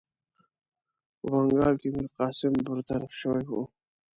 په بنګال کې میرقاسم برطرف شوی وو.